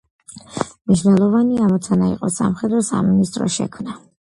მნიშვნელოვანი ამოცანა იყო სამხედრო სამინისტროს შექმნა.